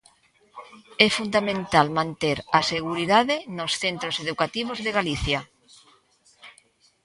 É fundamental manter a seguridade nos centros educativos de Galicia.